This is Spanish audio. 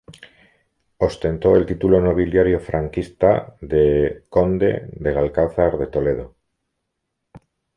Ostentó el título nobiliario franquista de conde del Alcázar de Toledo.